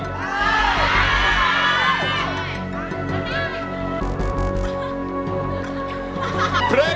ได้ครับ